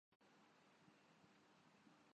متحدہ امارات نے کوئی عندیہ دیا ہے۔